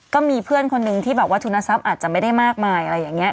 ก็มีเพื่อนคนนึงที่แบบว่าทุนทรัพย์อาจจะไม่ได้มากมายอะไรอย่างนี้